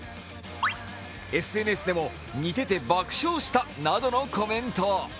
ＳＮＳでも、似てて爆笑したなどのコメント。